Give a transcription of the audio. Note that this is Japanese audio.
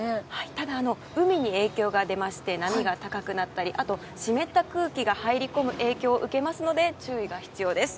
ただ、海に影響が出まして波が高くなったり、湿った空気が入り込む影響を受けるので注意が必要です。